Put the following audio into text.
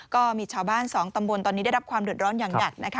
ก็มีชาวบ้าน๒ตำบลตอนนี้ได้รับความเดือดร้อนอย่างหนักนะคะ